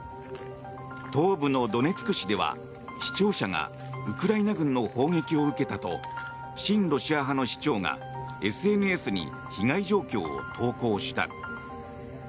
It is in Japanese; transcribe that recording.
東部のドネツク市では市庁舎がウクライナ軍の砲撃を受けたと親ロシア派の市長がＳＮＳに被害状況を投稿した。